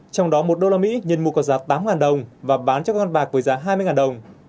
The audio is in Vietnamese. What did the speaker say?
trong đó một đô la mỹ nhân mua có giá tám đồng và bán cho các con bạc với giá hai mươi đồng